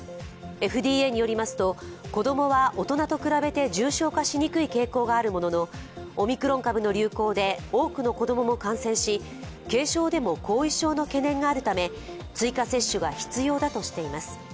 ＦＤＡによりますと、子供は大人と比べて重症化しにくい傾向があるもののオミクロン株の流行で多くの子供も感染し、軽症でも後遺症の懸念があるため追加接種が必要だとしています。